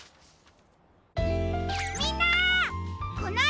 みんな！